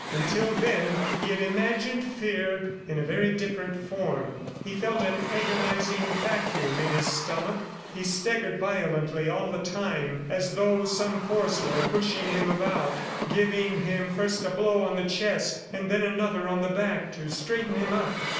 Until then, he had imagined fear in a very different form. He felt an agonizing vacuum in his stomach. He staggered violently all the time, as though some force were pushing him about, giving him first a blow on the chest, and then another on the back to straighten him up.